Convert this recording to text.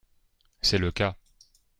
C’est le cas